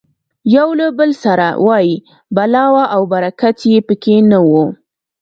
یو له بل سره وایي بلا وه او برکت یې پکې نه و.